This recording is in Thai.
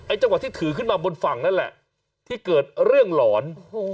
จังหวะที่ถือขึ้นมาบนฝั่งนั่นแหละที่เกิดเรื่องหลอน